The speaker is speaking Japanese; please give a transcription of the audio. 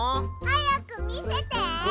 はやくみせて。